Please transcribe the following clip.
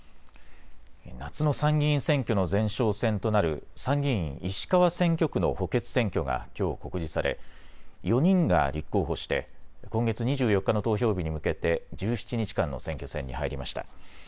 夏の参議院選挙の前哨戦となる参議院石川選挙区の補欠選挙がきょう告示され４人が立候補して今月２４日の投票日に向けて１７日間の選挙戦に入りました。